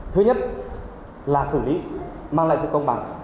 thứ nhất là xử lý mang lại sự công bằng